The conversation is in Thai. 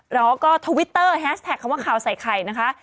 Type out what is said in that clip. เราก็ทวิตเตอร์แฮสแท็กคำว่าข่าวใส่ไข่นะคะ